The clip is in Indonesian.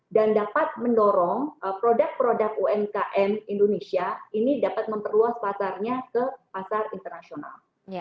dan dapat mendorong produk produk umkm indonesia ini dapat memperluas pasarnya ke pasar internasional